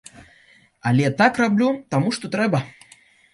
Але так раблю, таму што трэба.